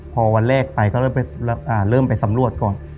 พอวันแรกไปก็เริ่มไปสำรวจก่อน